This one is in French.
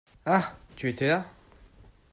Ah ! Tu étais là ?